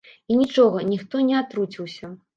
І нічога, ніхто не атруціўся.